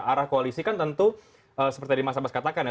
arah koalisi kan tentu seperti tadi mas abbas katakan ya